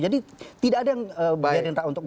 jadi tidak ada yang gerinda untuk melanggar